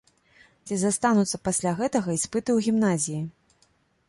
Ці застануцца пасля гэтага іспыты ў гімназіі?